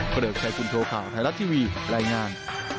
ก็เดินใจคุณโทษของไทยลักษณ์ทีวีรายงาน